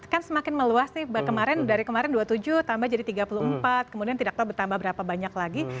kan semakin meluas nih kemarin dari kemarin dua puluh tujuh tambah jadi tiga puluh empat kemudian tidak tahu bertambah berapa banyak lagi